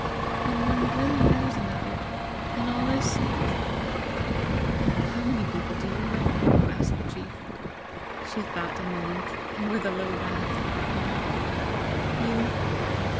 When one really knows another, then all is safe!" "How many people do you know?" asked the chief. She thought a moment, and with a little laugh, replied, "You."